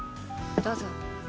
どうぞ。